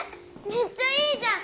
めっちゃいいじゃん！